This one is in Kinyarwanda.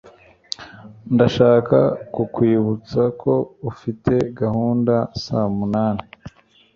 Ndashaka kukwibutsa ko ufite gahunda saa mu nani